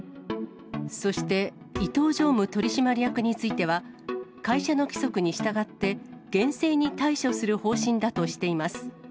そして、伊東常務取締役については、会社の規則に従って、厳正に対処する方針だとしています。